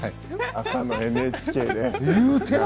朝のＮＨＫで。